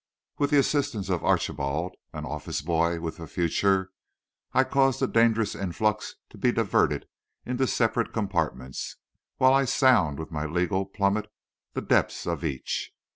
With the assistance of Archibald—an office boy with a future—I cause the dangerous influx to be diverted into separate compartments, while I sound with my legal plummet the depth of each.